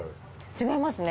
違いますね。